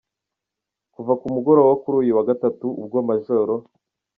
Kuva ku mugoroba wo kuri uyu wa Gatatu ubwo Maj.